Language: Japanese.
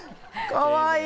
かわいい。